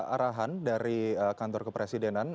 arahan dari kantor kepresidenan